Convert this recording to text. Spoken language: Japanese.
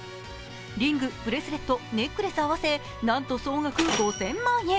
リング、ブレスレット、ネックレスを合わせなんと総額５０００万円！